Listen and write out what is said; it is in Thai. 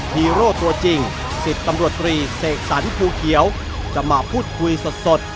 ฮีโร่ตัวจริง๑๐ตำรวจตรีเสกสรรภูเขียวจะมาพูดคุยสด